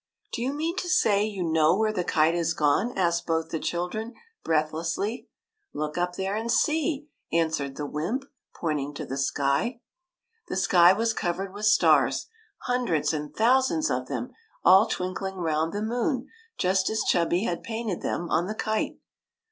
'* Do you mean to say you know where the kite has gone ?" asked both the children, breathlessly. '' Look up there and see," answered the wymp, pointing to the sky. The sky was covered with stars, hundreds and thousands of them, all twinkling round the moon just as Chubby had painted them on the kite.